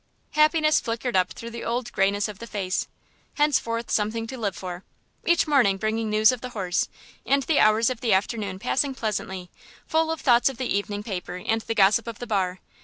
Happiness flickered up through the old greyness of the face. Henceforth something to live for. Each morning bringing news of the horse, and the hours of the afternoon passing pleasantly, full of thoughts of the evening paper and the gossip of the bar.